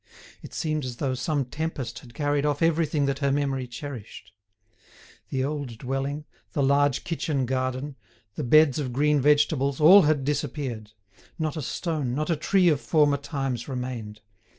It seemed as though some tempest had carried off everything that her memory cherished. The old dwelling, the large kitchen garden, the beds of green vegetables, all had disappeared. Not a stone, not a tree of former times remained.